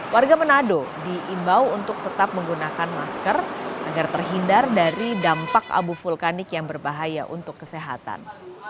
warga menado diimbau untuk tetap menggunakan masker agar terhindar dari dampak abu vulkanik yang berbahaya untuk kesehatan